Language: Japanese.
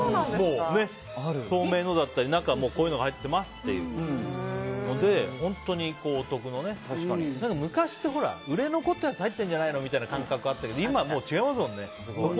透明のでこういうの入ってますっていうので昔は売れ残ったやつが入ってるんじゃないの？って感覚があったけど今は違いますもんね。